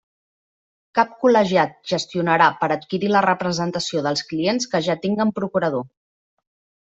Cap col·legiat gestionarà per adquirir la representació dels clients que ja tinguen procurador.